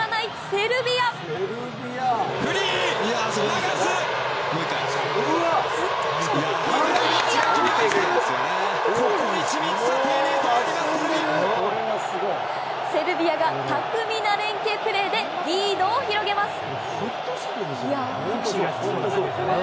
セルビアが巧みな連係プレーでリードを広げます。